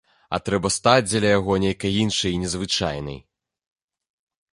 А трэба стаць дзеля яго нейкай іншай і незвычайнай.